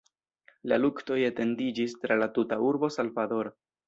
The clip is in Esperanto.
La luktoj etendiĝis tra la tuta urbo Salvador.